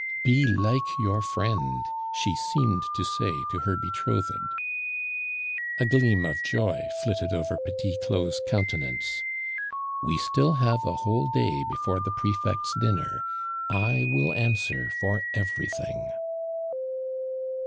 "Be like your friend," she seemed to say to her betrothed. A gleam of joy flitted over Petit Claud's countenance. "We still have a whole day before the prefect's dinner; I will answer for everything."